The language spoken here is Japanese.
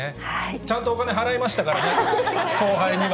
ちゃんとお金払いましたからね、後輩には。